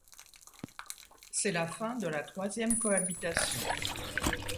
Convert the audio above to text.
C'est la fin de la troisième cohabitation.